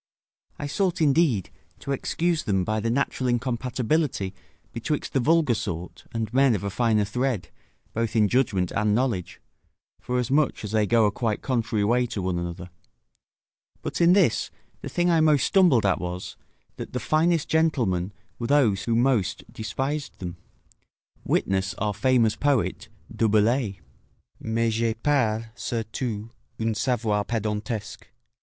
I sought indeed to excuse them by the natural incompatibility betwixt the vulgar sort and men of a finer thread, both in judgment and knowledge, forasmuch as they go a quite contrary way to one another: but in this, the thing I most stumbled at was, that the finest gentlemen were those who most despised them; witness our famous poet Du Bellay "Mais je hay par sur tout un scavoir pedantesque."